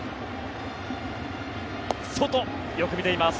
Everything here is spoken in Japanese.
外、よく見ています。